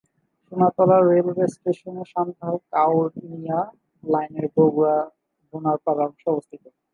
Sonatala railway station সান্তাহার-কাউনিয়া লাইনের বগুড়া-বোনারপাড়া অংশে অবস্থিত।